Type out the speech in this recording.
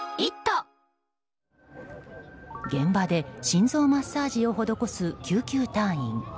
現場で心臓マッサージを施す救急隊員。